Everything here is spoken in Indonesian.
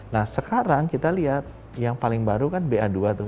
nah sekarang kita lihat yang paling baru kan ba dua tuh